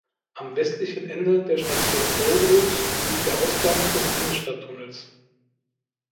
Am westlichen Ende der Station Bow Road liegt der Ausgang des Innenstadttunnels.